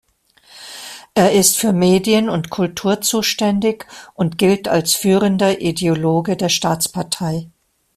Er ist für Medien und Kultur zuständig und gilt als führender Ideologe der Staatspartei.